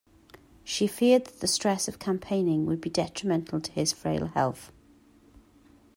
She feared that the stress of campaigning would be detrimental to his frail health.